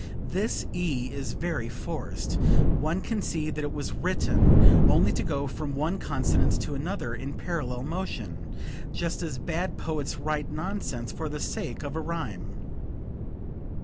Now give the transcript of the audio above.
"This E is very forced. One can see that it was written only to go from one consonance to another in parallel motion, just as bad poets write nonsense for the sake of a rhyme."